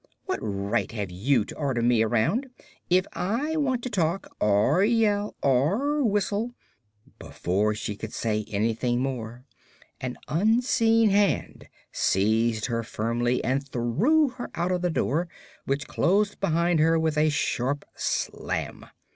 "What right have you to order me around? If I want to talk, or yell, or whistle " Before she could say anything more an unseen hand seized her firmly and threw her out of the door, which closed behind her with a sharp slam.